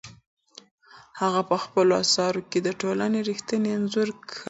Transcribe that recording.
هغه په خپلو اثارو کې د ټولنې رښتینی انځور کښلی دی.